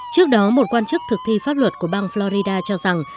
trước đó một quan chức thực thi pháp luật của bang florida cho rằng